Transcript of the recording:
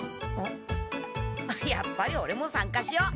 やっぱりオレもさんかしよう！